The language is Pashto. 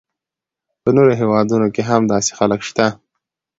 په نورو هیوادونو کې هم داسې خلک شته.